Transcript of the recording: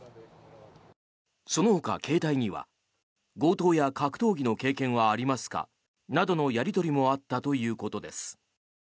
そのほか、携帯には強盗や格闘技の経験はありますかなどのやり取りもあったということです。